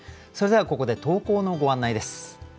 それではここで投稿のご案内です。